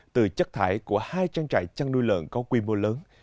từ chất thải của hai trang trại chăn nuôi lợn có quy mô lớn